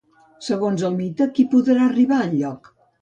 Segons el mite, qui podrà arribar al lloc?